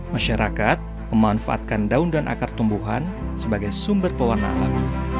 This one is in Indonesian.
masyarakat memanfaatkan daun dan akar tumbuhan sebagai sumber pewarna alam